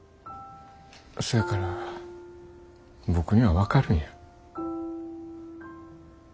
そやから僕には分かるんや。